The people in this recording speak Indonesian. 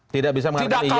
tidak bisa mengatakan iya